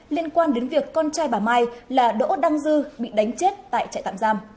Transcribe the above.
liên quan đến việc con trai bà mai là đỗ đăng dư bị đánh chết tại trại tạm giam